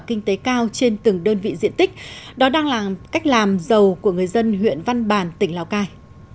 kinh tế cao trên từng đơn vị diện tích đó đang là cách làm giàu của người dân huyện văn bàn tỉnh lào cai